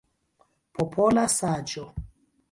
Popola saĝo!